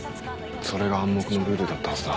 それが暗黙のルールだったはずだ。